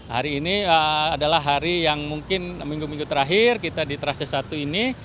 hari ini adalah hari yang mungkin minggu minggu terakhir kita di trase satu ini